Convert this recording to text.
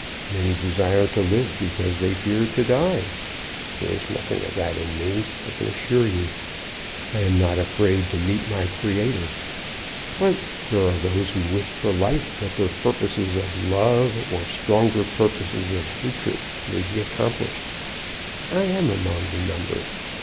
Many desire to live because they fear to die. There is nothing of that in me, I can assure you. I am not afraid to meet my Creator. But there are those who wish for life that their purposes of love, or stronger purposes of hatred, may be accomplished. I am among the number.